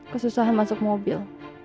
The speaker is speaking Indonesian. kesusahan masuk mobil